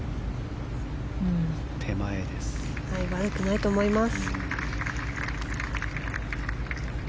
悪くないと思います。